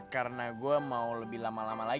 karena gua mau lebih lama lama lagi